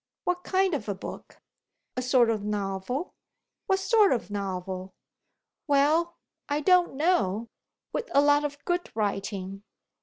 "What kind of a book?" "A sort of novel." "What sort of novel?" "Well, I don't know with a lot of good writing."